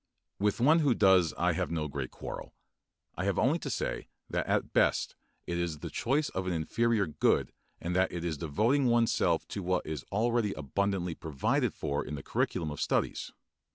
With one who does I have no great quarrel. I have only to say that at best it is the choice of an inferior good and that it is devoting oneself to what is already abundantly provided for in the curriculum of studies.